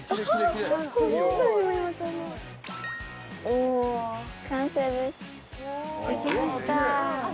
お完成です。